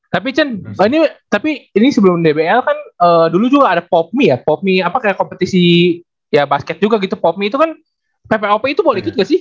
tapi chen tapi ini sebelum dbl kan dulu juga ada popmi ya popmi apa kayak kompetisi ya basket juga gitu popmi itu kan ppop itu boleh ikut gak sih